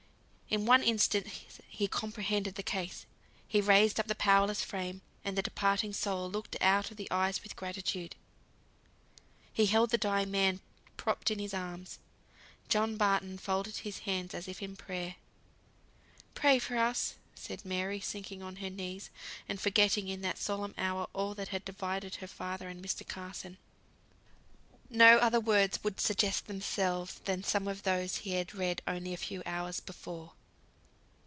In one instant he comprehended the case. He raised up the powerless frame; and the departing soul looked out of the eyes with gratitude. He held the dying man propped in his arms. John Barton folded his hands as if in prayer. "Pray for us," said Mary, sinking on her knees, and forgetting in that solemn hour all that had divided her father and Mr. Carson. No other words could suggest themselves than some of those he had read only a few hours before.